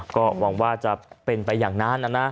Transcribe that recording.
ก็หวังว่าจะเป็นไปอย่างนั้นนะนะ